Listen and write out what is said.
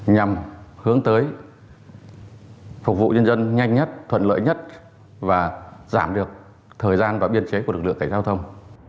nhằm hướng tới phục vụ nhân dân nhanh nhất thuận lợi nhất và giảm được thời gian và biên chế của lực lượng cảnh giao thông